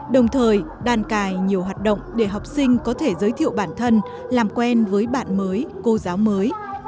đồng thời đàn cài nhiều hoạt động để học sinh có thể giới thiệu bản thân làm quen với bạn mới cô giáo mới